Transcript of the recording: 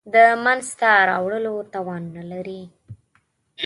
د منځته راوړلو توان نه لري.